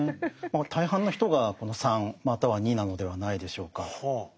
大半の人がこの３または２なのではないでしょうか。